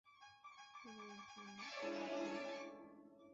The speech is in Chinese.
副大臣贰之。